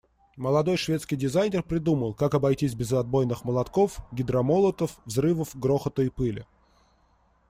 Молодой шведский дизайнер придумал, как обойтись без отбойных молотков, гидромолотов, взрывов, грохота и пыли.